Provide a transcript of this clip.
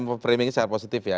memframing secara positif ya